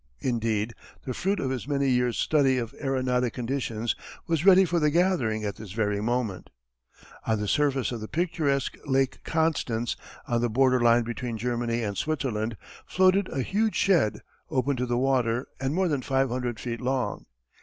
Indeed the fruit of his many years' study of aeronautic conditions was ready for the gathering at this very moment. On the surface of the picturesque Lake Constance, on the border line between Germany and Switzerland, floated a huge shed, open to the water and more than five hundred feet long.